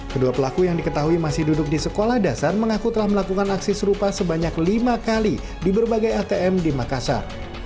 kedua pelaku yang diketahui masih duduk di sekolah dasar mengaku telah melakukan aksi serupa sebanyak lima kali di berbagai atm di makassar